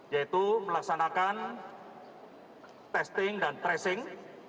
yaitu melaksanakan testing dan tracing